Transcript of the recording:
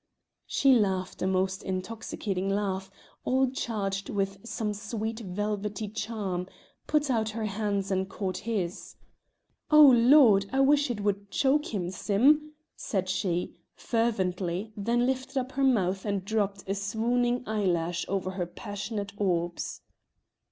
She laughed a most intoxicating laugh, all charged with some sweet velvety charm, put out her hands, and caught his. "Oh, Lord! I wish it would choke him, Sim," said she, fervently, then lifted up her mouth and dropped a swooning eyelash over her passionate orbs.